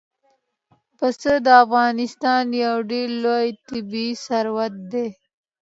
پسه د افغانستان یو ډېر لوی طبعي ثروت دی.